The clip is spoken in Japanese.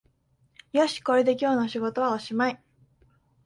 よし、これで今日の仕事はおしまい